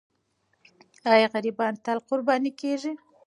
آیا غریبان تل قرباني کېږي؟